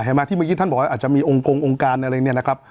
มาที่เมื่อกี้ท่านบอกว่าอาจจะมีองค์กงองค์การอะไรเนี่ยนะครับ